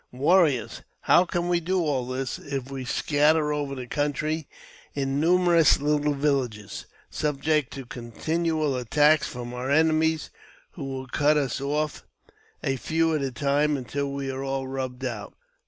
'* Warriors ! How can we do all this, if we scatter over the country in nmnerous little villages, subject to continual attacks : from our enemies, who will cut us off, a few at a time, until we are all rubbed out